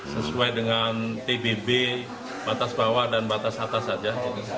sesuai dengan tbb batas bawah dan batas atas saja